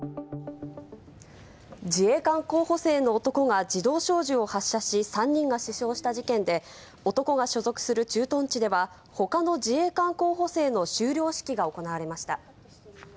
自衛官候補生の男が自動小銃を発射し、３人が死傷した事件で、男が所属する駐屯地では、ほかの自衛官候補生の修了式が行われました。